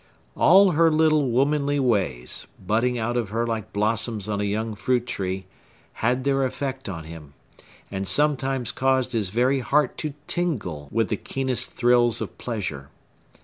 All her little womanly ways, budding out of her like blossoms on a young fruit tree, had their effect on him, and sometimes caused his very heart to tingle with the keenest thrills of pleasure.